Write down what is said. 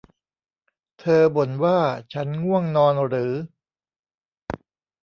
เธอบ่นว่า ฉันง่วงนอนหรือ